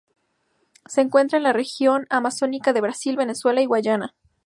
Se encuentra en la región amazónica de Brasil, Venezuela y Guayana.